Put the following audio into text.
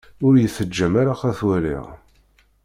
Ur yi-teǧǧam ara ad t-waliɣ.